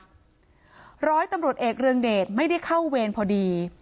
ร้อยตำรวจเอกเรืองเดชไม่ได้เข้าเวรพอดี